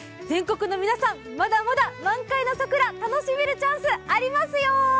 全国の皆さん、まだまだ満開の桜楽しめるチャンス、ありますよ！